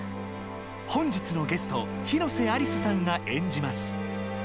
本日のゲスト広瀬アリスさんが演じます。